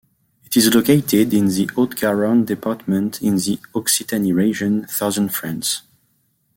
It is located in the Haute-Garonne department, in the Occitanie region, southern France.